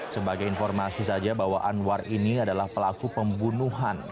sebagai informasi saja bahwa anwar ini adalah pelaku pembunuhan